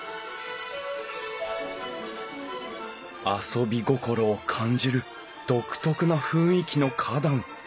遊び心を感じる独特な雰囲気の花壇。